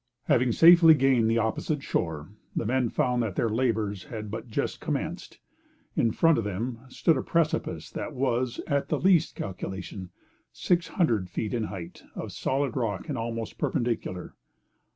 Having safely gained the opposite shore, the men found that their labors had but just commenced. In front of them stood a precipice that was, at the least calculation, six hundred feet in height, of solid rock, and almost perpendicular.